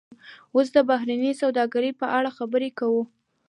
اوس د بهرنۍ سوداګرۍ په اړه خبرې کوو